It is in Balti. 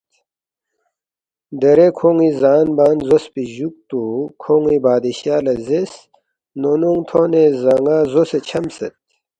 دیرے کھون٘ی زان بان زوسفی جُوکتُو کھون٘ی بادشاہ لہ زیرس، ”نونونگ تھونے زان٘ا زوسے چھمسید